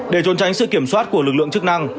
để trôn tránh sự kiểm soát của lực lượng chức năng